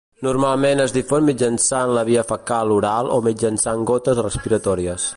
Normalment es difon mitjançant la via fecal-oral o mitjançant gotes respiratòries.